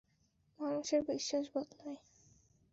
মানুষের বিশ্বাস বদলায়।